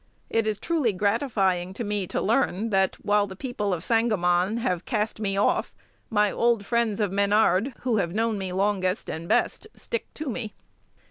It is truly gratifying to me to learn, that, while the people of Sangamon have cast me off, my old friends of Menard, who have known me longest and best, stick to me.